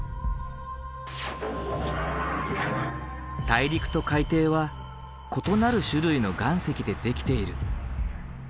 大陸と海底は異なる種類の岩石でできている。